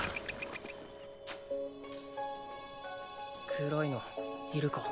黒いのいるか？